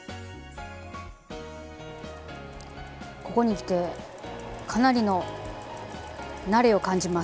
ここにきてかなりの慣れを感じます。